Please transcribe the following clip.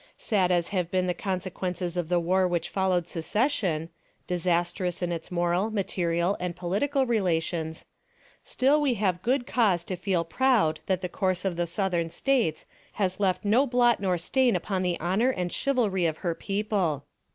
Sad as have been the consequences of the war which followed secession disastrous in its moral, material, and political relations still we have good cause to feel proud that the course of the Southern States has left no blot nor stain upon the honor and chivalry of their people.